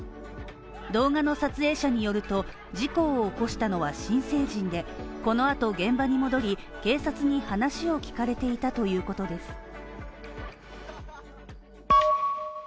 動画の撮影者によると、事故を起こしたのは新成人で、このあと現場に戻り、警察に話を聞かれていたということです。